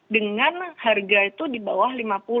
dengan harga itu di bawah lima puluh